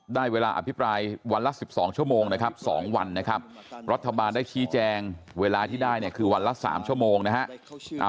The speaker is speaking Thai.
ได้เวลาอภิปรายวันละ๑๒ชั่วโมงนะครับ๒วันนะครับรัฐบาลได้ชี้แจงเวลาที่ได้เนี่ยคือวันละ๓ชั่วโมงนะฮะ